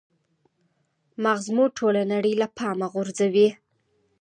مغز مو ټوله نړۍ له پامه غورځوي.